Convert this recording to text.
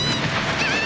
ああ。